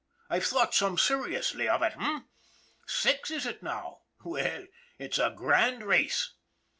I've thought some seriously of it, h'm? Six, is it now ? well, it's a grand race